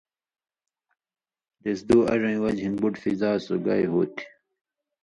دیس دُو اڙَیں وجہۡ نہ بُٹیۡ فضا سُگائ ہُو تھی